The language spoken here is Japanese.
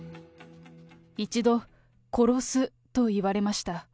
一度、殺すと言われました。